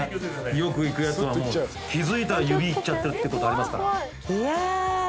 よくいくやつは気付いたら指いっちゃってるってことありますから。